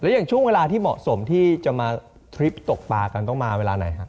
อย่างช่วงเวลาที่เหมาะสมที่จะมาทริปตกปลากันต้องมาเวลาไหนฮะ